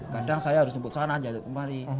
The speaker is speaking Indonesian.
kadang saya harus jemput sana jatuh kemari